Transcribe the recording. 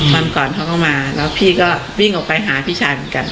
วันก่อนเขาก็มาแล้วพี่ก็วิ่งออกไปหาพี่ชายเหมือนกัน